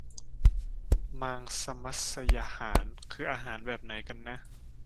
มางษมัศยาหาร คืออาหารแบบไหนกันนะ